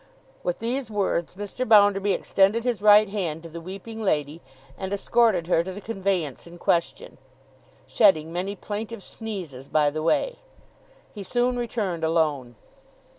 With these words, Mr. Bounderby extended his right hand to the weeping lady, and escorted her to the conveyance in question, shedding many plaintive sneezes by the way. He soon returned alone.